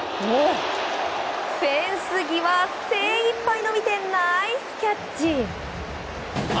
フェンス際、精いっぱい伸びてナイスキャッチ！